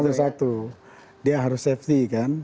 nomor satu dia harus safety kan